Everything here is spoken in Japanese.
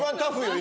今。